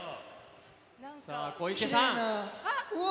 さあ、小池さん。